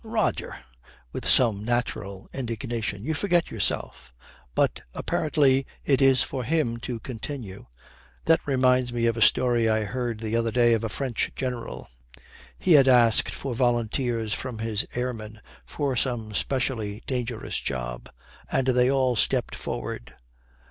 'Roger,' with some natural indignation, 'you forget yourself.' But apparently it is for him to continue. 'That reminds me of a story I heard the other day of a French general. He had asked for volunteers from his airmen for some specially dangerous job and they all stepped forward.